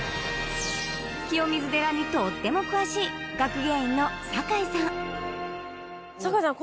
清水寺にとっても詳しい学芸員の坂井さん坂井さん